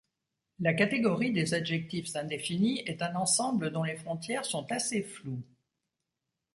La catégorie des adjectifs indéfinis est un ensemble dont les frontières sont assez floues.